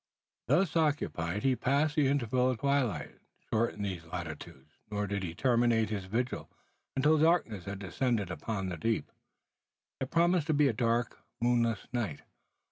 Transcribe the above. Thus occupied, he passed the interval of twilight, short in these latitudes; nor did he terminate his vigil until darkness had descended upon the deep. It promised to be a dark, moonless night.